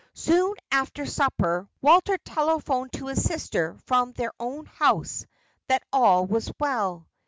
Soon after supper Walter telephoned to his sister from their own house that all was well.